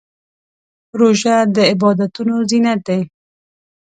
روژه د عبادتونو زینت دی.